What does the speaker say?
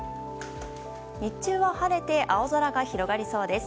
日中は晴れて青空が広がりそうです。